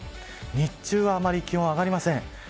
日中はあまり気温が上がりません。